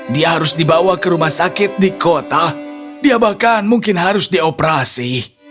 dia harus dibawa ke rumah sakit di kota dia bahkan mungkin harus dioperasi